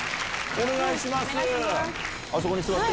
お願いします。